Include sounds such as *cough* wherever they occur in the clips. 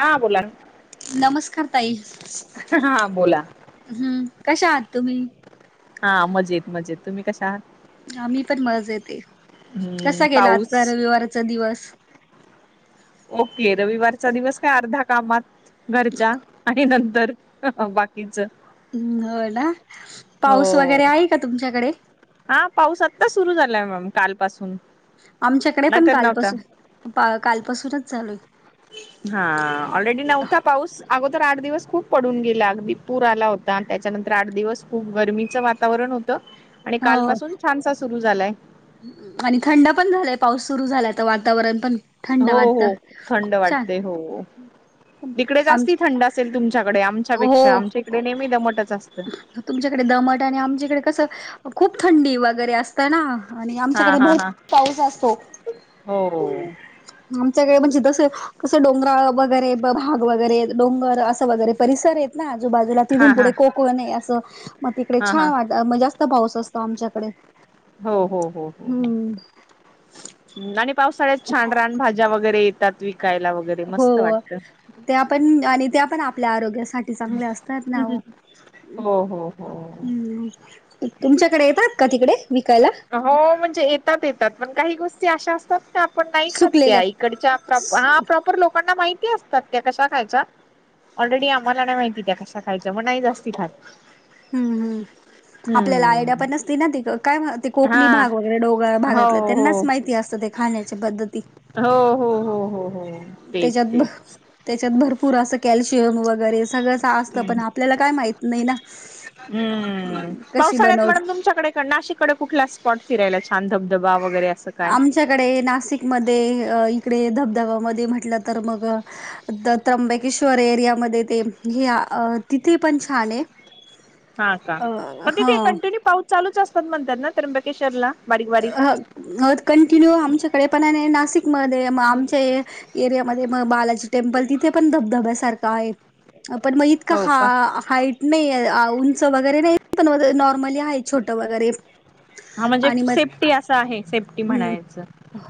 हा बोला ना. नमस्कार ताई हा बोला. हम् कशा आहात तुम्ही. हा मजेत मजेत तुम्ही कशा आहात. आम्ही पण मजज येते हम्म कसा गेला पाऊस आजचा रविवारचा दिवस. ओके रविवारचा दिवस काय अर्धा कामात घरच्या आणि नंतर. बाकीच. होय ना पाऊस हो. वगैरे आहे का तुमच्याकडे. हा पाऊस आत्ता सुरू झालाय मग काल पासून. आमच्याकडे कालपासून पा कालपासूनच चालू. हा ऑलरेडी न्हवता पाऊस. अगोदर आठ दिवस खूप पडून गेला अगदी पूर आला होता त्याच्यानंतर आठ दिवस खूप गरमीचं वातावरण होत. त आणि कालपासून हो छानसा सुरू झालाय. आणि थंड पण झालाय पाऊस सुरू झाला तर वातावरण पण. थंड हो वाटत हो थंड छान वाटते हो तिकडे आम जास्ती थंड असं चे असेल तुमच्याकडे आमच्यापेक्षा हो आमच्या इकडे नेहमी दमटच असत. तुमच्याकडे दमट आणि आमच्याकडे कसं खूप थंडी वगैरे असतं ना. आणि हा आमच्याकडे हा बहत हा पाऊस असतो हो आमच्याकडे म्हणजे जस. कसं डोंगरा वगैरे भाग वगैरे डोंगर असं वगैरे परिसर आहेत ना. आजूबाजूला हा तिथून पुढे हा कोकण आहे असं मग तिकडे हा हा छान वाटते जास्त पाऊस असतो आमच्याकडे. हो हो हो. हम्म आणि पावसाळ्यात छान रान भाज्या वगैरे येतात विकायला वगैरे मस्त हो वाटतं. त्या पण आणि त्या पण आपल्या आरोग्यासाठी. चांगले असतात ना. हो हो हो तुमच्याकडे येतात का तिकडे विकायला. हो म्हणजे येतात येतात पण काही गोष्टी अशा असतात. आपण नाही खात सुकलेल्या त्या इकडच्या प्रॉप हा हम्म प्रॉपर लोकांना माहिती असतात. त्या कशा खायच्या ऑलरेडी आम्हाला नाही माहिती त्या कश्या खायच्या मग नाही जास्त खात. हम्म हम आपल्याला आयडिया पण हम्म नसती ना तिथं काय ते. कोकणी हा भाग वगैरे डोंगर हो भागातलं हो त्यांनाच माहिती असतं ते खाण्याच्या पद्धती. हो हो हो हो हो. तेच त्याच्यात भ तेच त्याच्यात भरपूर असं कॅल्शियम वगैरे सगळंच. ता असत पण आपल्याला काय माहित नाही ना हम्म कशी पावसाळ्यात बनव मॅडम तुमच्याकडे नाशिककडे कुठला स्पॉट फिरायला छान धबधबा वगैरे. असं काय आमच्याकडे नाशिकमध्ये अ इकडे धबधबामध्ये म्हटलं तर मग. त त्र्यंबकेश्वर एरियामध्ये ते हे तिथे पण छान आहे. *inaudible* हां का अ म तिथे हा कंटिन्यू पाऊस चालूच असतात म्हणतात ना त्र्यंबकेश्वरला? बारीक बारीक अहा अ कंटिन्यू आमच्याकडे पण आणि नाशिकमध्ये म आमचे एरियामध्ये म बालाजी टेम्पल तिथे पण धबधब्यासारखं आहे. पण म इतकं हो हा का हाईट? नाही उंच वगैरे नाही पण नॉर्मली आहे छोटं वगैरे. हां म्हणजे आणि मग सेफ्टी आसं आहे सेफ्टी हम्म म्हणायचं.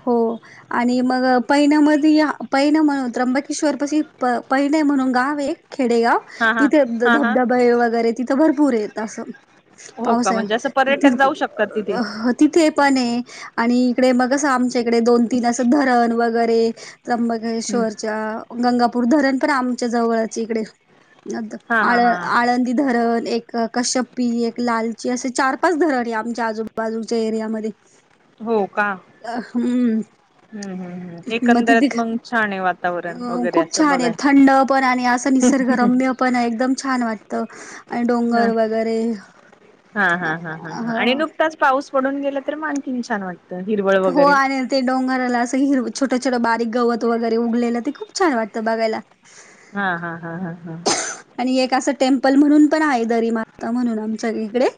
हो. आणि मग पैण्या मधी पैण म् त्र्यंबकेश्वर पाशी पैण म्हणून गाव आए. खेडेगाव हा हा तिथे हा हा धबधबे वगैरे तिथं भरपूर आहेत आसं. हो पाऊस का आहे. म्हणजे असं ती पर्यटक जाऊ शकतात तिथे अ हत तिथे पण आहे आणि इकडे मगं आमच्या इकडे दोन- तीन असं धरण वगैरे हम्म त्र्यंबकेश्वरच्या गंगापूर धरण तर आमच्या जवळच आहे इकडे. हा हा आळ हा आळंदी धरण एक कश्यपी एक लालची असे चार -पाच धरण आहे आमच्या आजूबाजूच्या एरियामध्ये. हो का? अ हम्. हम्म हम्म हम्म एकंदरत मंग छान आहे वातावरण अ वगैरे खूप असं छान आहे बगाय. थंड पण आणि आसं निसर्ग रम्य पण आहे. एकदम छान वाटतं. आणि हा डोंगर वगैरे हा. क्ताच पाऊस पडून गेला तर मग आणखीन छान वाटतं. सं हिरवळ. हो वगैरे आणि ते डोंगराला आसं हिरव छोटं छोटं बारीक गवत वगैरे उगलेलं ते खूप छान वाटतं बगायला. हा हा हा हा हा. आणि एक असं टेम्पल म्हणून पण आहे दरी माता म्हणून आमच्या इकडे.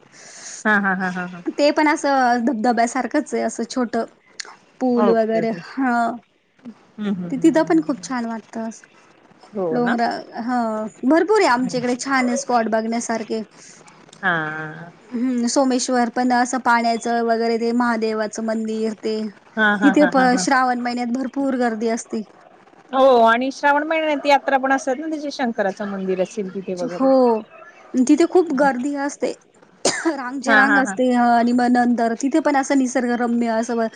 हा हा हा हा हा. ते पण आसं धबधब्यासारखंच आसं छोट. पूल ओके वगैरे ओके हा हम्म हम्म तिथं हम्म पण खूप हम्म छान वाटत आसं. हो ना डोंगर हा भरपूर आहे. आमच्या इकडे छान स्पॉट बघण्यासारखे. हां. हम्म सोमेश्वर पण असं पाण्याचं वगैरे ते महादेवाचं मंदिर. ते हा हा तिथे हा हा पण हा श्रावण महिन्यात भरपूर गर्दी असते. हो आणि श्रावण महिन्यात यात्रा पण असतात ना त्याची शंकराचं मंदिर अस हो तिथे खूप गर्दी असते. रा म्हनजे हा रांग हा हा असते अ आणि म नंतर तिथे पण असं निसर्गरम्य असं व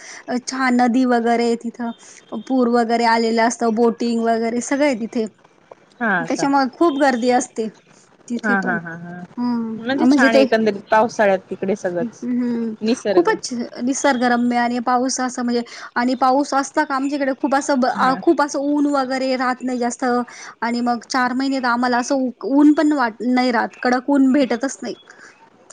छान नदी वगैरे तिथं पूर वगैरे आलेलं असत बोटिंग वगैरे सगळं आये तिथे. हा का त्याच्यामुळ खूप गर्दी आसते. हा हा हा हा म्हणजे छान एकंदरीत पाऊसाळ्यात तिकडे सगळंच. हम्म निसर्ग. खूपच निसर्गरम्य आणि पाऊस आसं म्हणजे आणि पाऊस असता का आमच्याकडे खूप आसं ब आ हा खूप आ सं ऊन वगैरे राहत नाही जास्त आणि मग चार महिने त आम्हाला आसं उ ऊन पण वाट नाही राहात कडक ऊन भेटतच नाही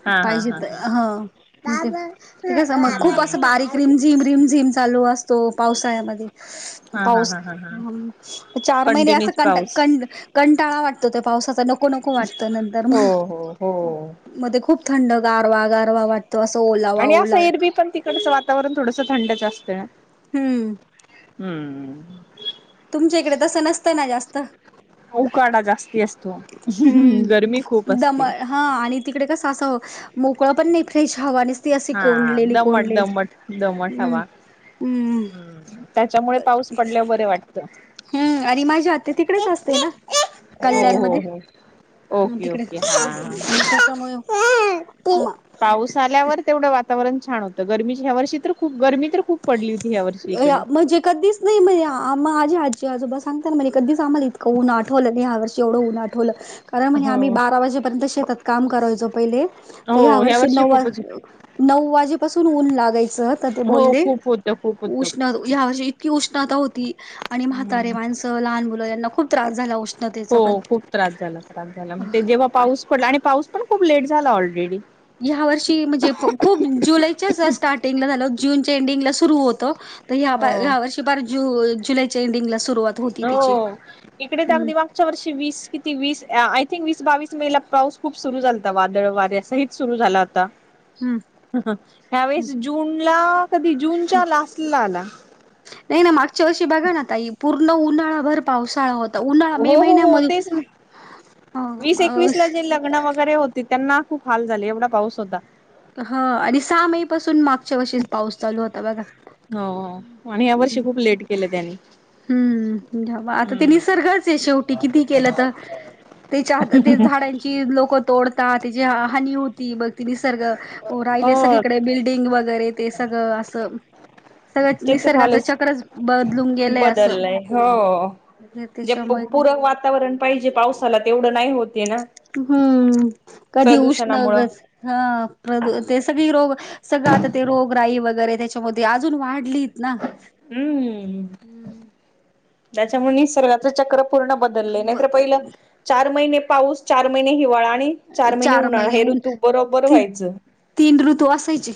हा हा पाहिजे हा त हा हं ते कस मग हा खूप असं हा बारीक रिम झिम रिम झिम चालू असतो पावसाळ्यामध्ये. हा पाऊस हा हा हा चार महिने आसं कंटिन्यूच कंटा पाऊस कंड कंटाळा वाटतो त्या पावसाचा नको नको वाटत नंतर हो म. हो हो मध्ये खूप थंड गारवा गारवा वाटतो आसं ओलावा ओलावा. तिकडच वातावरण थोडसं थंडच आसतेय. हम्म. हम्म. तुमच्या इकड तस नसत ना जास्त? उकाडा जास्ती असतो हम्म गरमी खूप दम असते. हा आणि तिकडे कस आस मोकळं पण नाही फ्रेश हावा नीस हा दमट दमट दमट हम्म हवा. हम्म हम् त्याच्यामुळे पाऊस पडल्यावर बरे वाटत. हम्म आणि माझी आत्या तिकडेच असते ना. हो हो हो हम् ओके तिकडे ओके हा. त्याच्यामुळे *unintelligible* पाऊस आल्यावर तेवढं वातावरण छान होतं गरमीच् ह्या वर्षी तर खूप गर्मी तर खूप पडली होती ह्या वर्षी इकडे. जे काधीस नई मीई आम माझे आजी आजोबा सांगताना म्हणे कधीच आम्हाला इतकं ऊन आठवलं नाही ह्या वर्ष एवड ऊन आठवलं कारण म्हणे आम्ही हो. बारा वाजेपर्यंत शेतात काम करायचो पहिले त ह्या वर्षी नऊ वाज नऊ वाजेपासून ऊन लागायचं तर ते बोलले. होत खूप होतं. उष्ण ह्या वर्षी इतकी उष्णता होती आणि म्हातारे हम्म माणस त लहान मुलं यांना खूप त्रास झाला उष्ण हो खूप त्रास झाला त्रास ञास झाला म अह, ते जेव्हा पाऊस पडला आणि पाऊस पण खूप लेट झाला ऑलरेडी. ह्या वर्षी म्हणजे प खूप जुलैच्या स स्टार्टिंगला झालं जूनच्या एंडिंगला सुरू होत. ह हो ह्या वर्षी पार जु जुलैच्या एंडिंगला सुरुवात होती तिची हम्म पुच्या वर्षी वीस किती वीस आय थिंक वीस बावीस मेला पाऊस खूप सुरू झालता वादळ वाऱ्या सहीच सुरू झाला हम्म हम्म ह्यावेेळेस जून ला कधी जूनच्या लास्टला आला. नाही ना मागच्या वर्षी बघा ना ताई पूर्ण उन्हाळा भर पावसाळा होता? उन्हाळा मे हो हो हो महिन्यामध्ये. तेच ना वीस एकवीस ला लग्न *unintelligible* वगैरे होती त्यांना खूप हाल झाली एवढा पाऊस होता. हा आणि सहा मे पासून मागच्या वर्षी पाऊस चालू होता बघा? हो हो आणि या वर्षी खूप लेट केलं त्यांनी. हम्म् आता ते निसर्गचे शेवटी किती केलं तर तेच्या हातात ते झाडां तेच लोक तोडतात त्याची हानी हो ती बघ ती निसर्ग हो राहिले हो सगळीकडे बिल्डिंग वगैरे ते सगळं असं. सगळच ते निसर्गाच चक्रच बदलून गेले आता. बदलय हो जे पु त्याच्यामुळे पुरक वातावरण पाहिजे पावसाला तेवढं नाही होते ना? हम्म कधी उष्ण प्रदूषणामुळं ह तेच. सगळी आता ते रोगराई वगैरे त्याच्यामध्ये अजून वाढली. ना हम्म त्याच्यामुळे निसर्गाच चक्र पूर्ण बदलले ब नाहीतर पहिलं. चार महिने पाऊस चार महिने हिवाळा आणि. चार महिने उन्हाळा हे ऋतू बरोबर ती व्हायच? तीन ऋतू असायचे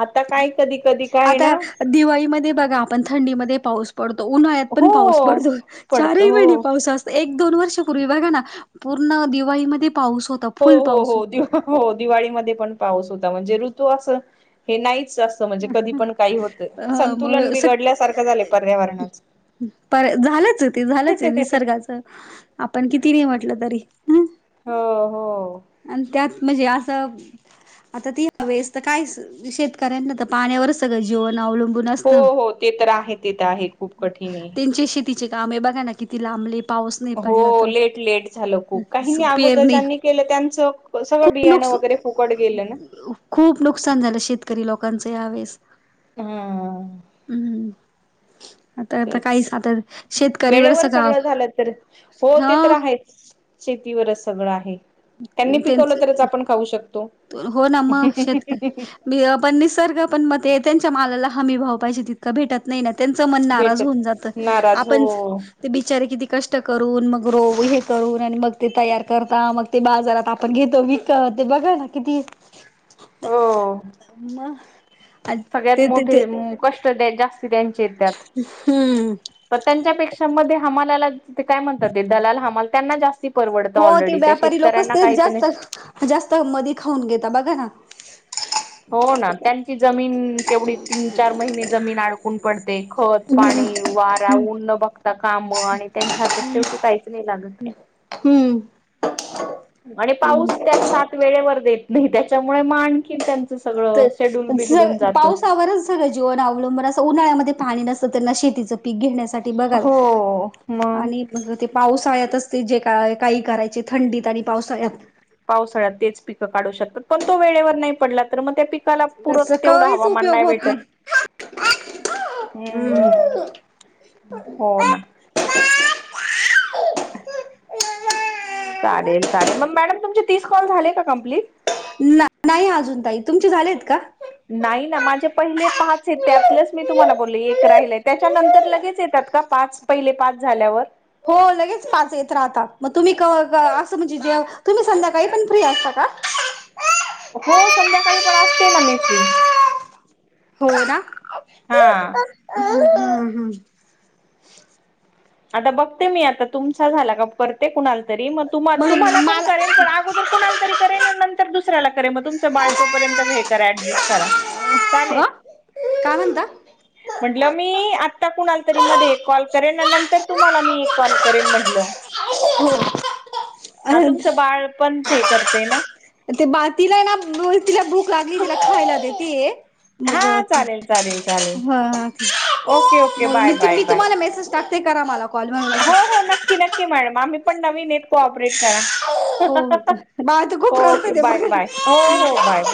आता काय कधी कधी. काय आता ना दिवाळीमध्ये बघा आपण थंडीमध्ये पाऊस पडतो उन्हाळ्यात हो पण पाऊस पडतो पडतं चारही महिने हो पाऊस असतो. एक दोन वर्षपूर्वी बघा ना पूर्ण दिवाळीमध्ये पाऊस होत हो हो हो दि हो दिवाळीमध्ये पण पाऊस होता म्हणजे ऋतू असं हे नाहीच अस म्हणजे कधी पण काही पण अ होत मग संतुलन स बिघडल्यासारखं झालय पर्यावरणाच. पर झालंच ते झालंच आहे निसर्गाचं आपण किती नाही म्हटलं तरी. हं. हो हो आणि त्यात म्हणजे असं आता ती व्यस्त तर काय शेतकऱ्यांना तर पाण्यावरच सगळं जीवन अवलंबून हो, असतं हो ते तर आहे ते तर आहे खूप कठीण आहे. त्यांचे शेतीचे काम आहे बघा ना किती लांबले पाऊस नाही हो पडला तर लेट, लेट झालं खूप काहीनी अगोदर पेरणी ज्यांनी केलं त्यांचं सगळं खूप बियाणं नुकस वगैरे फुकट गेलं ना खूप नुकसान झालं शेतकरी लोकांचं यावेळेस ह आता आता काहीच तेच आता शेतकरीवर वेळेवर सगळं झालं तर हो ते तर ह आहेच शेतीवरच सगळं आहे त्यांनी पिकवलं त्यांच तरच आपण खाऊ शकतो हो ना मग शेतकरी मी पण निसर्ग पण म ते त्यांच्या मालाला हमी भाव पाहिजे तिथ भेटत नाही ना त्यांच मन नाराज भेटत होऊन जात नाराज हो आपण ते बिचारे किती कष्ट करून मग रो हे करून आणि मग ते तयार करता मग ते बाजारात आपण घेतो विकत ते बघा ना किती हो. हा म सगळ्यात मोठे कष्ट त्या जास्ती त्यांचे आहेत त्यात हम्म तर त्यांच्या पेक्षा म ते हमालाला काय म्हणतात दलाल हमाल त्यांना जास्त हो ते व्यापारी लोकच तेच नाही जास्त जास्त मधी खाऊन घेता बघा ना हो ना त्यांची जमीन तेवढी तीन, चार महिने जमीन अडकून पडते खत पाणी वारा ऊन न बघता काम आणि त्यांच्या हातात शेवटी काहीच नाही लागत हम्म आणि पाऊस त्यात सात वेळेवर देत नाही त्याच्यामुळे म आणखी त्यांचं सगळं तर शेड्युल स बिघडून जातं पावसावरच सगळं जीवन अवलंबून असं उन्हाळ्यामध्ये पाणी नसत ना शेतीच पीक घेण्यासाठी बघाल हो मग आणि मग ते पावसाळ्यातच ते जे काय काही करायचे थंडीत आणि पावसाळ्यात पावसाळ्यात तेच पिकं काढू शकतात. पण तो वेळेवर नाही पडला तर मग त्या पिक त्याला पुरत त्याचा तेवढं काहीच हवामान उपयोग नाही होत भेटत हम्म हो ना चालेल, चालेल मग मॅडम तुमचे तीस कॉल झाले का कम्प्लीट नाही अजून ताई तुमचे झालेत का? नाही ना माझे पहिले पाच आहेत त्यातलंच मी तुम्हाला बोललो एक राहिलंय त्याच्यानंतर लगेच येतात का पाच? पहिले पाच झाल्यावर हो लगेच पाच येत राहता मग तुम्ही असं म्हणजे जे तुम्ही संध्याकाळी पण फ्री असता का? *unintelligible* हो संध्याकाळी पण असते ना मी फ्री होय ना हा ह, ह, ह *inaudible* आता बघते मी आता, तुमचा झाला का करते कुणाला तरी मग तुम्हा तुम्हाला पण करेन पण अगोदर कुणाला तरी करेन, नंतर दुसऱ्याला करेन. मग तुमचं बाळ तोपर्यंत हे करा ऍडजस्ट करा चालेल अ काय म्हणता? म्हटलं मी आत्ता कुणाल तरी हो मध्ये कॉल करेन नं तर तुम्हाला मी कॉल करेन म्हटलं हा तुमचं बाळ पण हे करतय ना ते बाळ तिलाय ना, तिला भूक लागली तिला खायला देतीये मग, हा चालेल चालेल चालेल ओके ओके मग मी, बाय बाय मी बाय तुम्हाला मेसेज टाक ते करा मला कॉल म्हणून हो हो नक्की नक्की मॅडम आम्ही पण नवीन ये. कोपरेट करा. हो हो बाळ तर खूप ओके रडत ते बाय बाय हो हो बाय. बघा